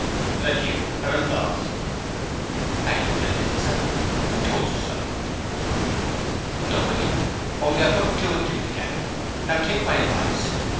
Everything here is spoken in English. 'That you are in love.' 'I don't admit it, sir. Who told you so?' 'Nobody. Only I put two and two together. Now take my advice.